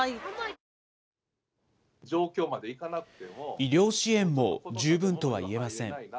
医療支援も十分とはいえません。